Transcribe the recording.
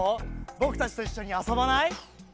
ぼくたちといっしょにあそばない？